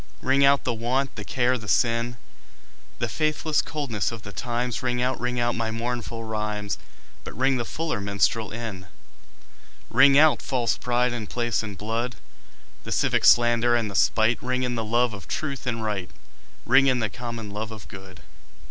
Ring out the want, the care the sin, The faithless coldness of the times; Ring out, ring out my mournful rhymes, But ring the fuller minstrel in. Ring out false pride in place and blood, The civic slander and the spite; Ring in the love of truth and right, Ring in the common love of good.